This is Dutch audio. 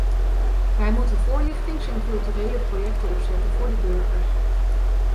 Wij moeten voorlichtings- en culturele projecten opzetten voor de burgers.